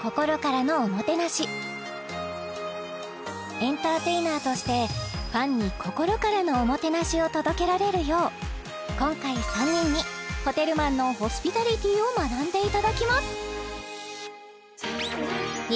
エンターテイナーとしてファンに心からのおもてなしを届けられるよう今回３人にホテルマンのホスピタリティを学んでいただきます